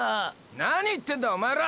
何言ってんだおまえら！！